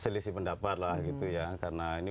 selisih pendapat lah gitu ya karena ini